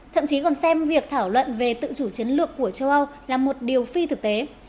thậm chí còn xem việc thảo luận về tự chủ chiến lược của châu âu là một điều phi thực tế